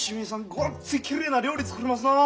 ごっついきれいな料理作りますなあ。